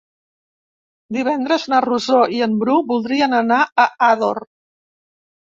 Divendres na Rosó i en Bru voldrien anar a Ador.